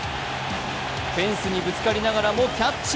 フェンスにぶつかりながらもキャッチ。